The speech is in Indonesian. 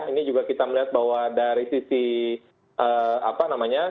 ini juga kita melihat bahwa dari sisi apa namanya